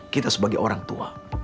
kita sebagai orang tua